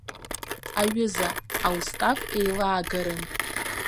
Аҩыза, аустав еилаагарым!